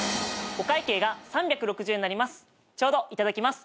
お会計が１７９円になります。